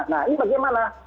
nah ini bagaimana